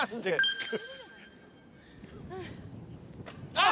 あっ。